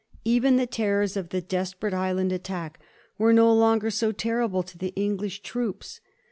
Even the terrors of the des perate Highland attack were no longer so terrible to the English troops.